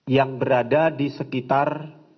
yang berada di sekitar